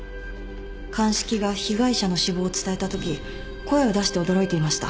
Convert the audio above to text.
鑑識が被害者の死亡を伝えたとき声を出して驚いていました。